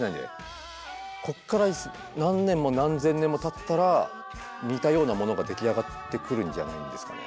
こっから何年も何千年もたったら似たようなものが出来上がってくるんじゃないんですかね。